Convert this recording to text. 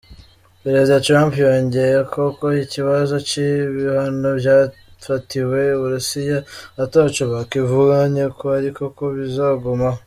Perezida Trump yongeyeko ko ikibazo c'ibihano vyafatiwe Uburusiya ataco bakivuganyeko ariko ko bizogumaho.